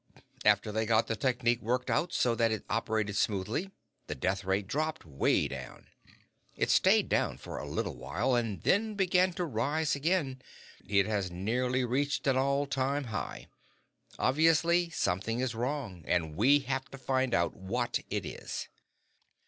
After they got the technique worked out so that it operated smoothly, the death rate dropped 'way down. It stayed down for a little while, and then began to rise again. It has nearly reached an all time high. Obviously, something is wrong, and we have to find out what it is."